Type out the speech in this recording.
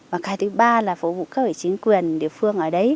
và cái thứ ba là phục vụ các vị chính quyền địa phương